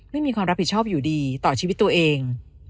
ไม่มีความรับผิดชอบอยู่ดีต่อชีวิตตัวเอง